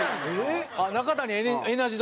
中谷エナジー